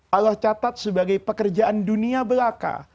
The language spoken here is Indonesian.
allah catat sebagai pekerjaan dunia belaka